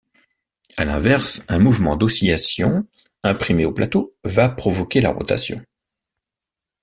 À l'inverse, un mouvement d'oscillation imprimé au plateau va provoquer la rotation.